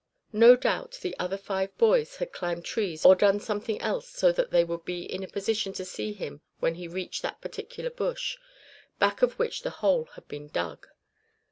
No doubt the other five boys had climbed trees or done something else so that they would be in a position to see him when he reached that particular bush, back of which the hole had been dug.